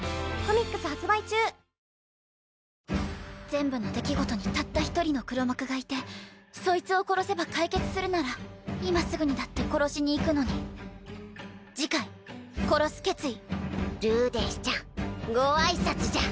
全部の出来事にたった１人の黒幕がいてそいつを殺せば解決するなら今すぐにだって殺しに行くのにルーデンスちゃんご挨拶じゃ